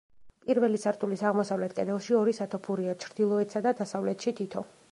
პირველი სართულის აღმოსავლეთ კედელში ორი სათოფურია, ჩრდილოეთსა და დასავლეთში თითო.